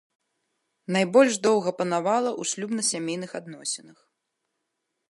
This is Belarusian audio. Найбольш доўга панавала ў шлюбна-сямейных адносінах.